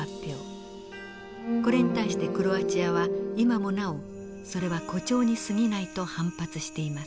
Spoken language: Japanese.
これに対してクロアチアは今もなおそれは誇張にすぎないと反発しています。